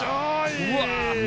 うわ！